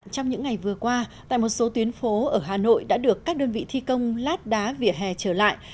trong những ngày vừa qua tại một số tuyến phố ở hà nội đã được các đơn vị thi công lát đá vỉa hè trở lại